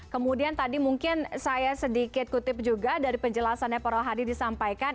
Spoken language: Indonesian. kemudian tadi mungkin saya sedikit kutip juga dari penjelasannya pak rohadi disampaikan